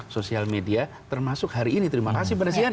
sosial media termasuk hari ini terima kasih pak resi yenen